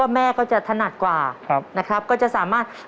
แม่ก็จะถนัดกว่านะครับก็จะสามารถ